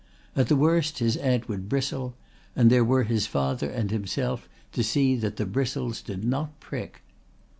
At the worst his aunt would bristle, and there were his father and himself to see that the bristles did not prick.